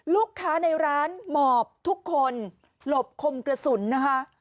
ลูกค้าในร้านหมอบทุกคนหลบคมกระสุนนะคะ